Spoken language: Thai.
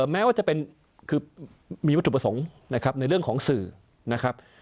แม้ว่าจะมีวัตถุประสงค์ในเรื่องของสื่อนะครับ